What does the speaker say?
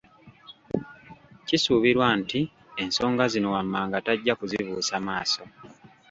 Kisuubirwa nti ensonga zino wammanga tajja kuzibuusa maaso